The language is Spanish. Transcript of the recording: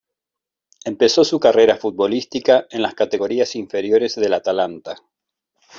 Empezó su carrera futbolística en las categorías inferiores del Atalanta.